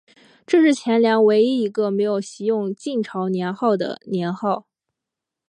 这是前凉唯一一个没有袭用晋朝年号的年号。